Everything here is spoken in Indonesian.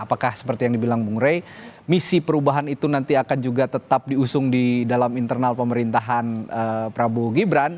apakah seperti yang dibilang bung rey misi perubahan itu nanti akan juga tetap diusung di dalam internal pemerintahan prabowo gibran